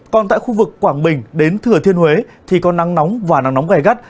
còn tại khu vực quảng bình đến thừa thiên huế thì có nắng nóng và nắng nóng gai gắt